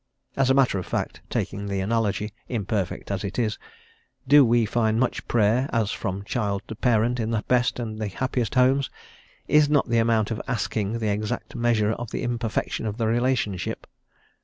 As a matter of fact, taking the analogy, imperfect as it is do we find much Prayer, as from child to parent, in the best and the happiest homes; _is not the amount of asking the exact measure of the imperfection of the relationship?